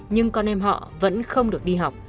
nhưng con em họ vẫn không được đi học